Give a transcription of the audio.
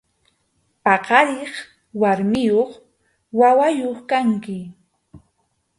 Paqariq warmiyuq wawayuq kanki.